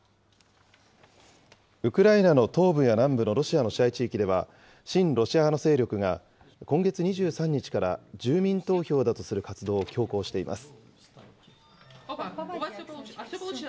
ウクライナの東部や南部のロシアの支配地域では、親ロシア派の勢力が今月２３日から、住民投票だとする活動を強行しています。